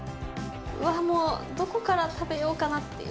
もう、どこから食べようかなっていう。